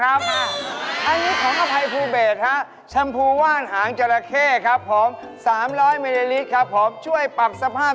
อันนี้ถูกกว่า